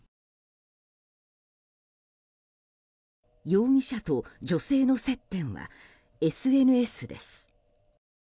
容疑者と女性の接点はＳＮＳです。